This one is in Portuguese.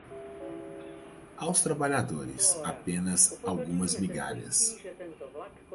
Aos trabalhadores, apenas algumas migalhas